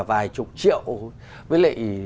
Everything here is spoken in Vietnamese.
vài chục triệu với lại